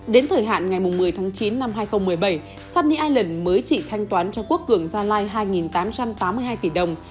đến thời hạn ngày một mươi tháng chín năm hai nghìn một mươi bảy sunny ireland mới chỉ thanh toán cho quốc cường gia lai hai tám trăm tám mươi hai tỷ đồng